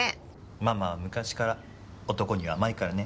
ママは昔から男に甘いからね。